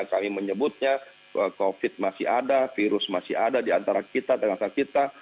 kami menyebutnya covid masih ada virus masih ada di antara kita tenaga kita